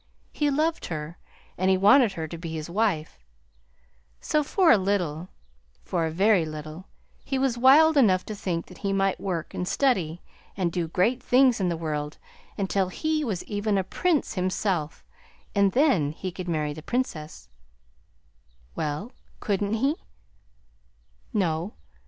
He loved her, and he wanted her to be his wife; so for a little for a very little he was wild enough to think that he might work and study and do great things in the world until he was even a Prince himself, and then he could marry the Princess." "Well, couldn't he?"